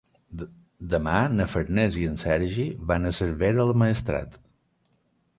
Demà na Farners i en Sergi van a Cervera del Maestrat.